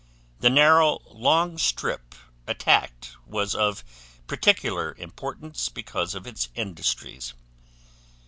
The narrow long strip attacked was of particular importance because of its industries.